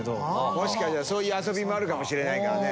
もしかしたらそういう遊びもあるかもしれない。